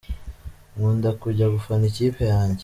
Nkunda kujya gufana ikipe yanjye.